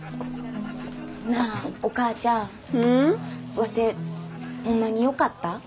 ワテホンマによかった？